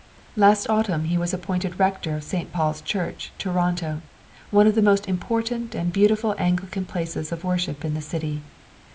Last autumn he was appointed rector of St. Paul's Church, Toronto, one of the most important and beautiful Anglican places of worship in the city.